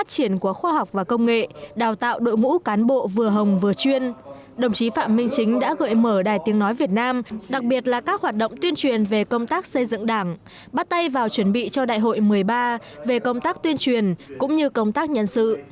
đồng chí phạm minh chính đã gợi mở đài tiếng nói việt nam đặc biệt là các hoạt động tuyên truyền về công tác xây dựng đảng bắt tay vào chuẩn bị cho đại hội một mươi ba về công tác tuyên truyền cũng như công tác nhân sự